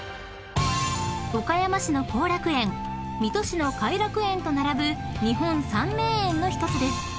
［岡山市の後楽園水戸市の偕楽園と並ぶ日本三名園の１つです］